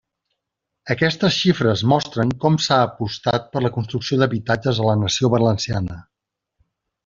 Aquestes xifres mostren com s'ha apostat per la construcció d'habitatges a la nació valenciana.